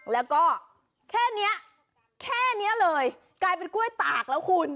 แล้วก็แค่เนี้ยแค่นี้เลยกลายเป็นกล้วยตากแล้วคุณ